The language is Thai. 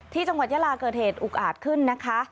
จังหวัดยาลาเกิดเหตุอุกอาจขึ้นนะคะ